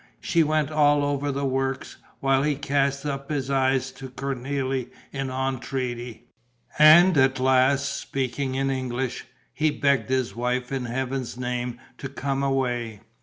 She went all over the works, while he cast up his eyes to Cornélie in entreaty. And at last, speaking in English, he begged his wife in Heaven's name to come away.